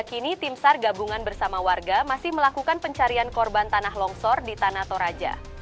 kini tim sar gabungan bersama warga masih melakukan pencarian korban tanah longsor di tanah toraja